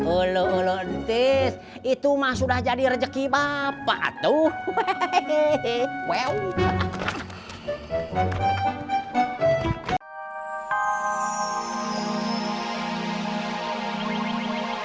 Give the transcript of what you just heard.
ulu ulu tis itu mah sudah jadi rezeki bapak tuh